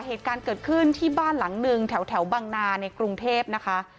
เหตุการณ์เกิดขึ้นที่บ้านหลังหนึ่งแถวบังนาในกรุงเทพนะคะ